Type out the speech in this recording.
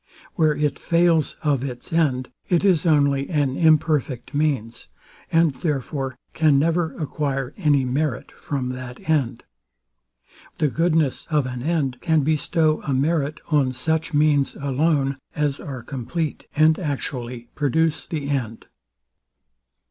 Where it fails of its end, it is only an imperfect means; and therefore can never acquire any merit from that end. The goodness of an end can bestow a merit on such means alone as are compleat, and actually produce the end.